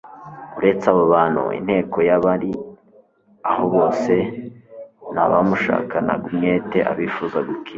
Uretse abo bantu, inteko y'abari aho bose ni abamushakanaga umwete, abifuza gukira,